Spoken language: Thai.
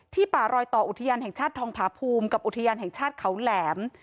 ป่ารอยต่ออุทยานแห่งชาติทองผาภูมิกับอุทยานแห่งชาติเขาแหลม